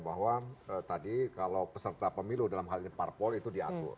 bahwa tadi kalau peserta pemilu dalam hal ini parpol itu diatur